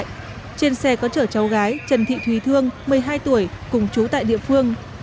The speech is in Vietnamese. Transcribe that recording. trên xe có chở cháu gái trần thị thùy thương một mươi hai tuổi cùng chú tại địa phương